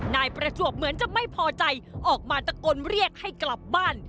นายประจวบเหมือนจะไม่พอใจออกมาตะโกนเรียกให้กลับบ้าน